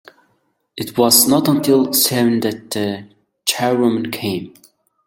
It was not until seven that the charwoman came.